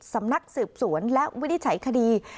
สำนักสืบสวนและวินิจฉัยคดี